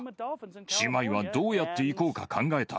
姉妹はどうやって行こうか考えた。